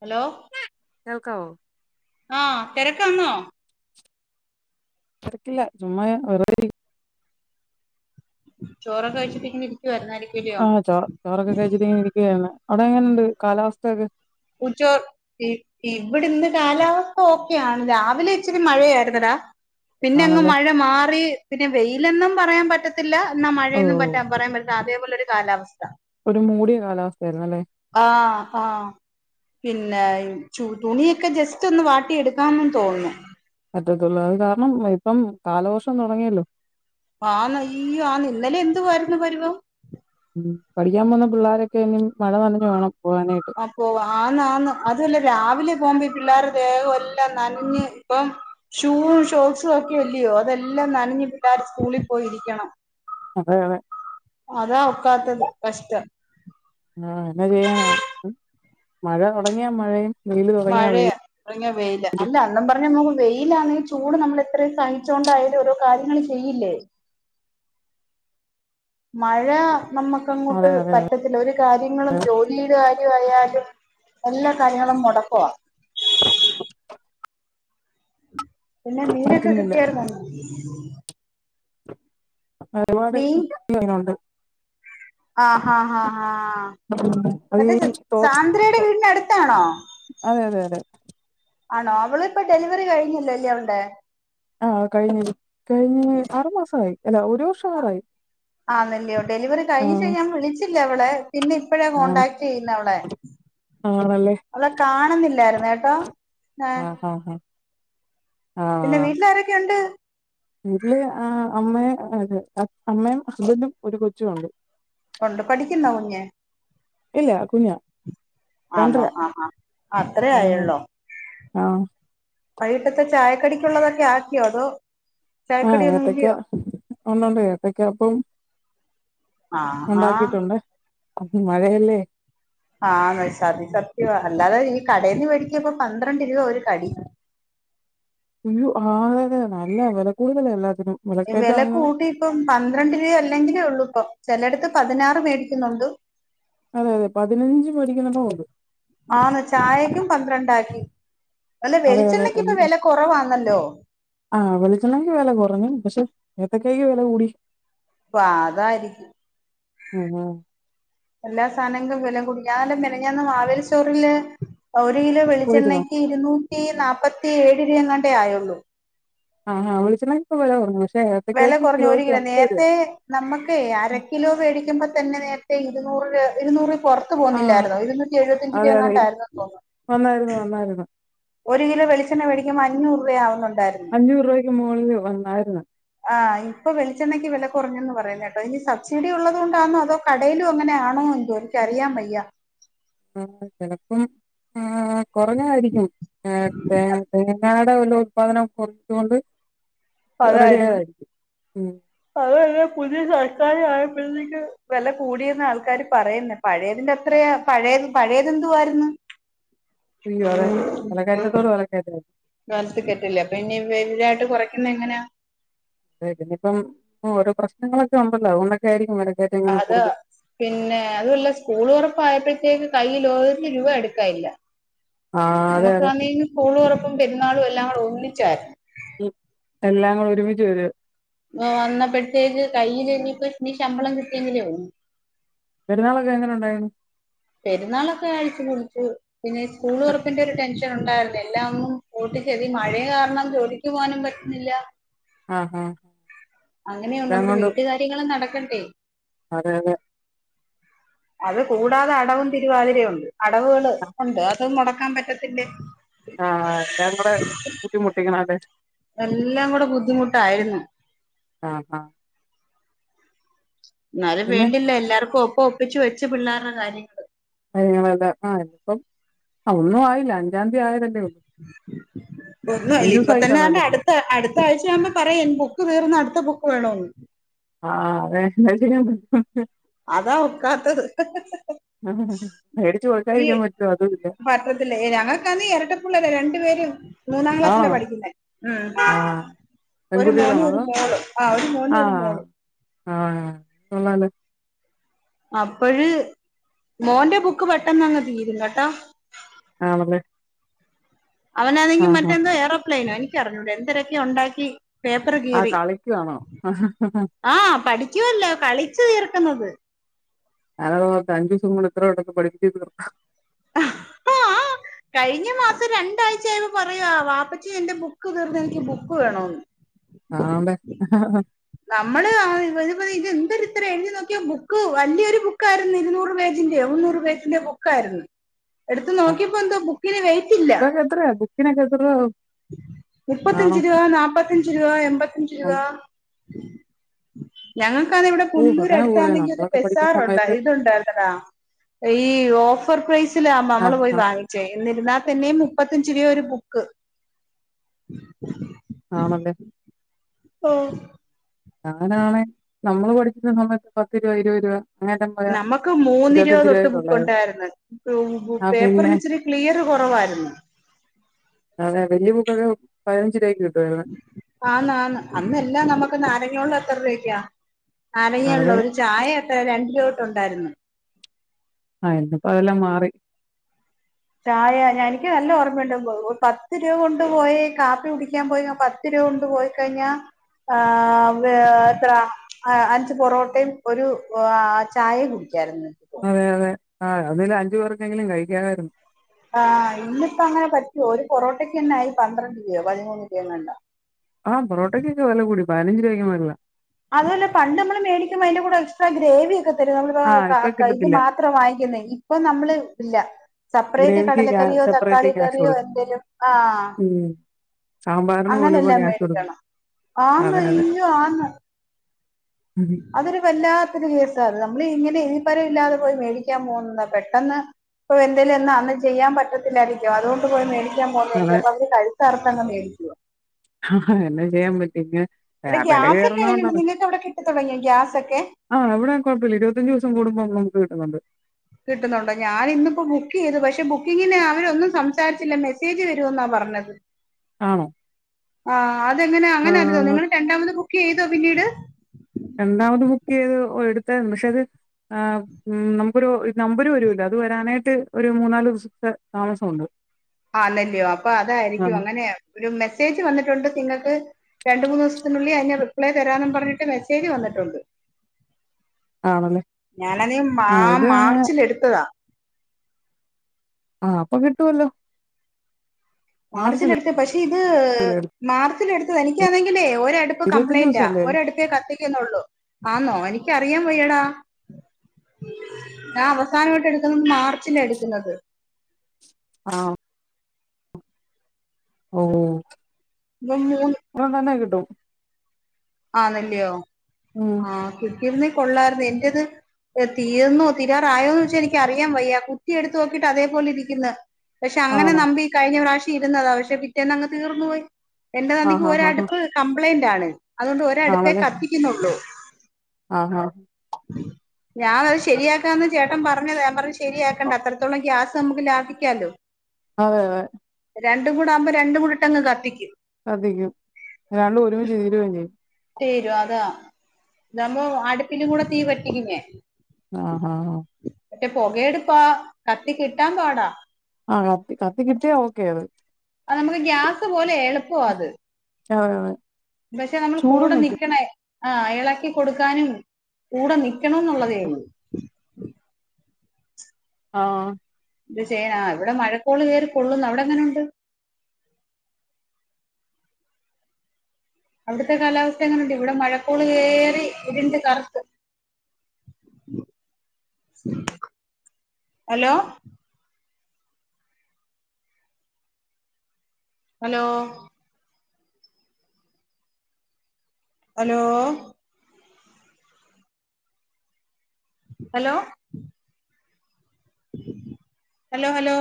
Hello കേൾക്കാവോ ആ തിരക്കാന്നോ ആ തിരക്കില്ല ചുമ്മാ വെറുത ചോറൊക്കെ കഴിച്ചിട്ട് ഇങ്ങനെ ഇരിക്കുവാരുന്നാടി ആ ചോറ് ചോറെക്കെ കഴിച്ചിട്ട് ഇങ്ങനിരിക്കുകയാണ് അവിടെ എങ്ങനെണ്ട് കാലാവസ്ഥയൊക്കെ ഉച്ചോർ ഇ ഇവിടെന്ന് കാലാവസ്ഥ ഒക്കെയാണ് രാവിലെ ഇച്ചിരി മഴയായിരുന്നടാ പിന്നെ അങ്ങ് ആണല്ലേ മഴ മാറി പിന്നെ വെയിലൊന്നും പറയാൻ പറ്റത്തില്ല എന്ന ഓ മഴേന്നും പറ്റ പറയാൻ പറ്റണ അതേ പോലെ [unintelligible] കാലാവസ് ഒരു മൂടിയ കാലാവസ്ഥയായിരുന്നു അല്ലേ ആഹ് ആഹ് പിന്നെ ചു തുണിയൊക്കെ ജസ്റ്റ് ഒന്ന് വാട്ടി എടുക്കാന്ന് തോന്നുന്നു പറ്റത്തുള്ളൂ അത് കാരണം ഇപ്പം കാലവർഷം തൊടങ്ങിയല്ലോ ആന്ന് അയ്യോ ആന്ന് ഇന്നലെ എന്തുവാരുന്നു പരുവം ഉം പഠിക്കാൻ പോന്ന പിള്ളാരൊക്കെ ഇനി മഴ നനഞ്ഞു വേണം പോകാനായിട്ട് അപ്പൊ ആന്ന് ആന്ന് അതുവല്ല രാവിലെ പിള്ളേരുടെ ദേഹം എല്ലാം നനഞ്ഞ് ഇപ്പം ഷൂ ഷോക്സും ഒക്കെ ഇല്ലയോ അതെല്ലാം നനഞ്ഞ് പിള്ളേർ സ്കൂളിൽ പോയി ഇരിക്കണം അതെ അതെ അതാ ഒക്കാത്തത് കഷ്ടം ആ എന്നാ ചെയ്യാനാ മഴ തുടങ്ങിയാ മഴയും വെയില് തുടങ്ങിയാ മഴയ വെയിലും തുടങ്ങിയ വെയില് അല്ല അണ്ണൻ പറഞ്ഞ നോ വെയിലാണങ്കിലും ചൂട് നമ്മൾ എത്രയും സഹിച്ചോണ്ടായാലും ഓരോ കാര്യങ്ങൾ ചെയ്യില്ലേ മഴ നമുക്ക്ങ്ങോട്ട് അതെ അതെ പറ്റത്തില്ല ഒരു കാര്യങ്ങളും ജോലി കാര്യ ക്ക് വയ്യാലും എല്ലാ കാര്യങ്ങളും മുടക്കവാ പിന്നെ മീനൊക്കെ പറ്റുന്നില്ല കിട്ടിയായിന്നോ ഒരുപാട്ണ്ട് ആഹഹാഹാ ഹാ അത് മറ്റേ ഈ തോ സാന്ദ്രയുടെ തോ വീടിന അടുത്താണോ അതെ അതെ അതെ ആണോ അവള ഇപ്പ ഡെലിവറി കഴിഞ്ഞല്ലോ അല്ലേ അവൾടെ ആ കഴിഞ്ഞ കഴിഞ്ഞ ആറു മാസമായി അല്ലാ ഒരു വർഷം ആറായി ആണല്ലിയോ ഡെലിവറി ആ കഴിച്ചാ ഞാൻ വിളിച്ച് ല്ല അവളെ പിന്നെ ഇപ്പഴാ ആ കോടാക്ടെയ്യ്ന്നെ അവളെ ആണല്ലേ? അവളെ കാണുന്നില്ലായിര്ന്ന് കെ ആ ആ ഹാ ഹാ ആ പിന്നെ വീട്ടിലാരൊക്കെ ഉണ്ട് വീട്ട്ല് ആ അമ്മേം അതെ അമ്മയും ഹസ്ബന്റും ഒര് കൊച്ചു ഉണ്ട് ഒണ്ട് പഠിക്കുന്നോ കുഞ്ഞ് ഇല്ല കുഞ്ഞാ ആന്നോ രണ്ടര ആ ആ അത്രേ ആഹ് ആയൊള്ളോ ആഹ് വൈകിട്ടത്തെ ചായക്കടിക്കുള്ളതൊക്കെ ആക്കിയോ അതോ ആ ചായക്കടിയൊന്നും ഏത്തക്ക ഇല്ലയോ ഒണ്ടുണ്ട് ഏത്തക്ക അപ്പവും ആ ആ അത് മഴയല്ലേ ആ സതി സത്യവാ അല്ലാതെ ഈ കടേന്ന് മേടിക്ക്മ്പ പന്ത്ര ഒരു കടി അയ്യോ ആഹ് അതെ അതെ നല്ല വെല കൂടുതല എല്ലാ വെല കൂട്ടി ഇപ്പം പന്ത്രണ്ട് രൂപ അല്ലെങ്കിലേ ഒള്ളൂ ഇപ്പം ചെലട്ത്ത് പതിനാറ് മേടിക്കുന്നൊണ്ട് അതെ അതെ പതിനഞ്ച് മേടിക്കുന്നടം ഉണ്ട്. ആന്ന് ചായക്കും പന്ത്രണ്ടാക്കി അല്ല അതെ അതെ വെളിച്ചെണ്ണക്കിപ്പം വെല കൊറവാന്ന ഹലോ ആഹ് വെളിച്ചെണ്ണക്ക് ഒക്കെ വെല കൊറഞ്ഞു പഷെ ഏത്തക്കായിക്ക് വെല കൂടി പ്പൊ അതായിരിക്കും ഉം ഉം എല്ലാ സാനക്കും വെല കൂടി ഞാന് മിനിഞ്ഞാന്ന് മാവേലി സ്റ്റോറില് ഒര് കിലോ പോയിരുന്നോ? വെളിച്ചെണ്ണയ്ക്ക് ഇരുന്നു റ്റി നാല്പ്പത്തി ഏഴ് രൂപ എങ്ങാണ്ടേ ആയൊള്ളൂ ആ ഹാ വെളിച്ചെണ്ണക്ക് ഇപ്പ വെല കുറഞ്ഞു വെല ഏത്തക്കായ്ക്ക് കൊർഞ്ഞു ഒരു കിലോയ്ക്ക് കിലോ എൺപത് രൂപയാ നേര്ത്തെ നമ്മക്ക് അര കിലോ വേടിക്കുമ്പ ത്തന്നെ നേരത്തെ ഇരുന്നൂർ രൂ ഇരുന്നൂറ് പൊർത്തു ആഹ് പോന്നില്ലാരുന്നു ഇരുന്നൂറ്റി എഴുപത്തിഞ്ച് അതെ അതെ രൂപങ്ങാണ്ടായിരുന്നു തോന്നുന്നു വന്നായിരുന്നു വന്നായിരുന്നു ഒരു കിലോ വെളിച്ചെണ്ണ വേടിക്കുമ്പോ അഞ്ഞൂറ് വേ അവുന്ന് അഞ്ഞൂറ് രൂപക്ക് മുകളില് വന്നാരുന്നു ആ ഇപ്പൊ വെളിച്ചെണ്ണക്ക് വെല കൊറഞ്ഞന്ന് പറയുന്ന കേട്ടോ ഇനി സബ്സിഡി ഉള്ളതോണ്ടാന്നോ അതോ കടയിലും അങ്ങനൊണോ എന്തോ എനിക്കറിയാൻ വയ്യ ആ ചെലപ്പം ആ കൊറഞ്ഞായിരിക്കും ആ ആ ആ [unintelligible] ഉല്പാദനം കൊർച്ചോണ്ട് റെഡിയായതാരിക്കും ഉം അതെന്നെ പുതിയ സർക്കര് ആയപ്പഴ്ത്തേക്ക് വെല കൂടിയെന്ന് ആൾക്കാര് പറയുന്നെ പഴയതിന്റെ അത്രയാ പഴയത് പഴയതെന്തു ആരുന്നു ഇയ്യൊ അതെ വെലക്കയറ്റത്തോട് വെലക്കയറ്റാ [unintelligible] കെട്ടില്ല അപ്പ ഇന്നി വലുതായിട്ട് കൊറയ്ക്കുന്ന എങ്ങനാ [unintelligible] ഇപ്പം ഓരോ പ്രശ്നങ്ങളൊക്കെ ഒണ്ടല്ലോ അതൊണ്ടൊക്കെ ആയിരിക്കും വെല അത പിന്നെ അതുവല്ല സ്കൂൾ തൊറപ്പായ്പ്പഴ്ത്തേക്ക് കയ്യിൽ ഓരെ രൂപ എടുക്കായില്ല ആ അതെ നമുക്ക് അതെ ആന്നെ സ്കൂള് തൊറപ്പം പെരുന്നാളും എല്ലാം കൂടെ ഒ ന്നിച്ചാ മ്മ് എല്ലാങ്ങുടെ ഒരുമിച്ച് വരു വന്നപ്പോഴത്തേക്ക് കയ്യില് ഇഞ്ഞ്പ്പോ ഇനി ശമ്പളം കിട്ടിയെങ്കിലേള്ളൂ പെരുന്നാളൊക്കെ എങ്ങനെ ഉണ്ടായിരുന്നു പെരുന്നാളൊക്കെ അടിച്ചു പൊളിച്ചു പിന്നെ സ്കൂള് തൊറപ്പന്റെ ഒരു ടെൻഷ് ഒണ്ടായിരുന്നു എല്ലും കൂട്ടിച്ചെതി മഴയ കാരണം ജോലിക്ക് പോകാനും പറ്റുന്നില്ല ആ ആ അങ്ങനെയുണ്ട് നമ്മുടെ വീട്ടുകാര്യങ്ങളും നട ക്കണ്ടേയ് അതെ അതെ അത് കൂടാതെ അടവും തിരുവാതിരയുണ്ട് അടവുകൾ ഉണ്ട് അത് നട ക്കാൻ പറ്റത്തില്ലേ ആ എല്ലാങ്കൂടെ ബുദ്ധിമുട്ടിക്കണ അല്ലേ എല്ലാം കൂടെ ബുദ്ധിമുട്ടായിരുന്നു ആ ആ ന്നാലും പിന്നെ വേണ്ടില്ല എല്ലാർക്കും ഒ ഒപ്പിച്ച് വെച്ച് പിള്ളാരെ കാര്യങ്ങള് [unintelligible] ഒന്നും ആയില്ല അഞ്ചാം തീയതി ആയതല്ലേ ഉള്ളൂ ഒന്നും അഞ്ചു ആയ്ല്ല്യ ഇപ്പ ദിവസമായി തന്നെ ആണ്ടെ കാണാല്ലേ അട്ത്ത അട്ത്ത ആഴ്ചയാവുമ്പ പറയും ബുക്ക് തീർന്ന് അട് ത്ത ബുക്ക് വേണോന്ന് ആഹ് അതെ [unintelligible] അതാ ഒക്കാത്തത് മേടിച്ചു ഈ കൊടുക്കാതിരിക്കാൻ പറ്റുമോ അതുമില്ല പറ്റത്തില്ല ഏഹ് ഞങ്ങക്കാന്നേ എരട്ടപ്പുള്ളാരാ രണ്ട് പേരും മൂന്നാം ക്ലാസ്സിലാ ആണോ പഠിക്കുന്നേ. ഉം ആ ഒരു മോനും പെൺകുട്ടികളാണോ ഒരു അതോ മോളും ആ ഒരു മോന് ആ ഒരു മോള്. ആ കൊള്ളാലോ അപ്പഴ് മോന്റെ ബുക്ക് പെട്ടെന്ന് അങ്ങ് തീരും കെട്ടോ ആണല്ലേ ആ അവനാന്നെങ്കി ആ മറ്റെന്തോ ഏറോപ്ലെയ്നോ എനി ക്കറിഞ്ഞൂടാ എന്തരൊക്കേ ഉണ്ടാക്കി പേപ്പർ ആഹ് കീറി കളിക്കുവാണോ ക്കുവല്ലാ കളിച്ചു തീർക്ക്ന്നത്. [unintelligible] അഞ്ചൂസം കൊണ്ട് ഇത്ര പെട്ടെന്ന് പഠിപ്പിച്ച് തീർത്തൊ ആ കഴിഞ്ഞ മാസം രണ്ടാഴ്ചയായ്പ പറയാ വാപ്പച്ചി എന്റെ ബുക്ക് തീർന്ന് എനിക്ക് ബുക്ക് വേണോന്ന് ആഹ് [unintelligible] നമ്മള് ആ ഇ [unintelligible] ഇത് എന്തൊര് ഇത്ര എഴുതി നോക്കിയാ ബുക്ക് വലിയൊരു ബുക്കായിരുന്നു ഇരുന്നൂറ് പേജിന്റെ മുന്നൂറ് പേജിന്റെ ബുക്കായിരുന്നു. എടുത്ത് നോക്കിയപ്പോ എന്തോ ബുക്കിന് വെയ്റ്റില്ല. ക്കിനെക്കെ എത്ര രൂവ ആവും മുപ്പത്തഞ്ച് രൂവ നാപ്പത്തഞ്ച് രൂവ എമ്പത്തഞ്ച് രൂവ ഉം. ഞങ്ങ ക്കാന്നേ ഇവിടെ ഓ പുല്ലൂര് അങ്ങനെ പോലെ അട്ത്താന്നെങ്കി ഒരു നമ്മളൊക്കെ പഠിക്കുന്ന പെസാറുണ്ട് സമയത്ത് ഇത്ണ്ടായിരുന്നതാ ഈ ഓഫ് ഫർ പ്രൈസ് ലാവുമ്പ ആ മ്മൾ പോയി ആ വാങ്ങിച്ചേ എന്നിരുന്നാ തന്നെ മുപ്പത്തഞ്ച് രൂപ ഒരു ബുക്ക് ആ നല്ലെ ആ ഞാനാണെ നമ്മള് പഠിച്ചിര്ന്ന സമയത്ത് പത്ത് രൂപ ഇരുപത് രൂപ അങ്ങനെ പോയാ നമുക്ക് മൂന്ന് രൂപ ഇരുപത്തഞ്ച് തൊട്ട് രൂപയൊക്കെ ബുക്ക് ഉള്ളായിരുന്നു ഉണ്ടായിരുന്നു [unintelligible] ആ പിന്നെ പേപ്പറിന് ഇച്ചിരി ക്ലിയർ കൊറവായിരുന്നു [unintelligible] പതിനഞ്ച രൂപാക്ക് കി ആന്ന് ആന്ന് അന്നെല്ലാം നമ്മുക്ക് കഞ്ഞോള്ള എത്ര രൂപക്കാ? അറങ്ങൊള്ളൂ അതെ ഒരു ചായ രണ്ട് [unintelligible] ണ്ടായിരുന്നു ആയിരുന്നു ഇപ്പംഅതെല്ലാം മാറി ചായ ഞാൻ എനിക്ക് നല്ല ഓർമ്മയുണ്ട് പത്ത് രൂപ കൊണ്ട് പോയി കാപ്പി കുടിക്കാൻ പോയി പത്ത് രൂപ കൊണ്ട് പോയി കഴിഞ്ഞാ ആ എത്ര അഞ്ച് പൊറോട്ടയും ഒരു ചായയും കുടി ക്കാരുന്നു അതെ അതെ ആ [unintelligible] അഞ്ചു പേർക്കെങ്കിലും കഴിക്കാമായിരുന്നു ആ ഇന്നിപ്പങ്ങനെ പറ്റുവോ ഒരു പൊറോട്ടക്ക് തന്നെ ആയി പന്ത്രണ്ട് രൂപയോ പതിമൂന്ന് രൂപയോ എങ്ങാണ്ടാ ആ പോറോട്ടക്ക് ഒക്കെവെല കൂടി പതിനഞ്ച് രൂപക്ക് മേളിലാ അതുപോലെ പണ്ട് നമ്മള്മേടിക്കുമ്പോ അതിന്റെ കൂടെ എക്സ്ട്രാ ഗ്രേവിഒക്കെ ആ ഇപ്പൊ [unintelligible] ഇത് കിട്ടത്തില്ല മാത്രം വാങ്ങിക്കുന്നേ ഇപ്പൊ നമള് ഇല്ല സെപ്പറേറ്റ് ഗ്രേവിക്ക് കടലക്കറിയോ സെപ്പറേറ്റ് തക്കാളി ക്യാഷ് കറിയോ കൊടുക്കണം എന്തേലും ആ ഉം സാമ്പാറിന് പോലും ഇപ്പൊ അങ്ങനെല്ലാം ക്യാഷ് കൊടുക്കും മേടിക്കണം ആന്ന് അതെ അതെ അയ്യോ ആന്ന് ഉം. അതൊരു വല്ലാത്തൊരു കേസാ ത് നമ്മള് ഇങ്ങനെ ഈപരം ഇല്ലാതെ പോയി മേടിക്കാൻ പോകുന്നതാ. പെട്ടെന്ന് ഇപ്പൊ എന്തേലും ഒന്ന് അന്ന് ചെയ്യാൻ പറ്റത്തില്ലായിരിക്കും അതുകൊണ്ട് പോയി മേടി ക്കാൻ അതെ പോകുന്നേരിക്കും. അപ്പവര് കഴി ത്ത്അറുത്തങ്ങ് മേടിക്കുവാ. ഹാഹാ എന്നാചെയ്യാൻ പറ്റും. [unintelligible] എടീ വില ഗ്യാസ് ഒക്കെ എങ്ങനണ്ട്? കയറുന്നോണ്ടാണ് നിങ്ങക്ക് അവിടെ കിട്ടി തുടങ്ങിയോ ഗ്യാസൊക്കെ. ത്തൻഞ്ച് ദിവസം കൂടുമ്പോ നമ്മള് [unintelligible] കിട്ടുന്നുണ്ട് കിട്ടുന്നുണ്ടോ? ഞാനിന്നിപ്പോ ബുക്ക് ചെയ്തു. പക്ഷെ ബുക്കിങ്ങിന് അവരൊന്നും സംസാരിച്ചില്ല മെസ്സേജ് വരുവന്നാ പറഞ്ഞത്. ആണോ ആ അതെങ്ങനാ? അങ്ങനല്ലല്ലോ. ആ നിങ്ങൾ രണ്ടാമത് ബുക്ക് ചെയ്തോ പിന്നീട്. രണ്ടാമത് ബുക്ക് ചെയ്ത് എടുത്തായ്രുന്നു. പക്ഷെ അത് ആ നമുക്കൊരു നമ്പര് വരൂലൊ അത് വരാനായിട്ട് ഒരു മൂന്നാല് ദിവസത്തെ താമസമുണ്ട്. ആന്നല്ല്യോ. അപ്പൊ അതായിരിക്കും ആഹ് അങ്ങനെയാ ഒരു മെസ്സേജ് വന്നിട്ടുണ്ട് നിങ്ങക്ക്? രണ്ട് മൂന്ന് ദിവസത്തിനുള്ളിൽ അയിന് റിപ്ലൈ തരാന്നുംപറഞ്ഞിട്ട് മെസ്സേജ് വന്നിട്ടുണ്ട്. ആണല്ലേ ഞാനണേ മാ ആഹ് ഇത് അങ്ങനെ മാർച്ചിൽ എടുത്തതാ. ആ അപ്പൊ കിട്ടുവല്ലോ മാർച്ചില് എടുത്താ പക്ഷേ ഇത് മാർ ച്ചില് എടുത്തതാ എടുത്തത് എനിക്കാന്നെങ്കിലേ ഒ രടുപ്പ് ഇരുപത്തഞ്ച് കംപ്ലൈന്റാ. ദിവസല്ലേ ഒരടുപ്പേ കത്തിക്കുന്നുള്ളൂ. ആന്നോ എനിക്കറിയാൻ വെയ്യടാ. ഞാ അവസാനമായിട്ട് എടുക്കുന്നത്‌ മാർച്ചിലാ എടുക്കുന്നത്. ആ ഓ [unintelligible] ഇപ്പൊ മൂന്ന് തന്നെ കിട്ടും ആണല്ലയോ ഉം ആ കി തീർന്നേകൊള്ളായിരുന്നു ഇന്റേത് തീർന്നോ തീരാറായോ എന്ന് വെച്ചാൽ എനിക്ക് അറിയാൻ വയ്യ കുറ്റി എടുത്ത് നോക്കിയിട്ട് അതേപലെ ഇരിക്കിന്നു പക്ഷെ അങ്ങനെ ആണോ നബി ഈ കഴിഞ്ഞ പ്രാശ് കി രുന്നതാ പക്ഷെ പിറ്റേന്നങ്ങ് തീർന്നു പോയി എന്റെ ആഹ് നന്ദിക്ക് ഹാ ഹാ ഹാ ഒരടുപ്പ് കംപ്ലൈന്റ് ആണ് അതൊണ്ട് ഒരടുപ്പേ കത്തിക്കുന്നുള്ളൂ ആ ആ ഞാനത് ശരിയാക്കാന്ന് ചേട്ടൻ പറഞ്ഞതാ ഞാൻ പറഞ്ഞു ശ് ശരിയാക്കണ്ട അത്രത്തോളം ഗ്യാസ് നമുക്ക് ലാഭിക്കാലോ അതെ തെ രണ്ടും കൂടാകുമ്പോ രണ്ടുകൂടെ അങ്ങ് കത്തിക്കും ര ശ്രദ്ധിക്കും ഒരാള് ഒരുമിച്ച് തീരും ചെയ്യും. തീരും അതാ താവുമ്പോ അടുപ്പില്കൂടെ തീ പറ്റിക്കില്ലേ? ആഹ് ഹാ ഹാ മറ്റേ പുകയടുപ്പാ കത്തി കിട്ടാൻ പാടാ. ആ കത്തി കത്തികിട്ടിയാ ഓക്കെ ആണ്. അ നമുക്ക് ഗ്യാസ് പോലെ എളുപ്പാവത്. ആ പക്ഷെ നമ്മള് കൂടെ നിക്കണേ ആ ഇളക്കി കൊടുക്കാനും കൂടെ നിക്കണം ന്നുള്ളതേള്ളു. ആ എന്ത് ചെയ്യാനാ ഇവിടെ മഴക്കോള് വേറി കൊള്ളുന്നു അവിടെങ്ങനെണ്ട്? അവിടുത്തെ കാലാവസ്ഥങ്ങനെണ്ട് ഇവിടെ മഴക്കോള് കേറി ഇരിണ്ട് കറുത്ത് hello hello hello hello hello hello